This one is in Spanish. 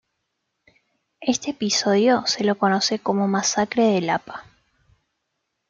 Este episodio se lo conoce como Masacre de Lapa.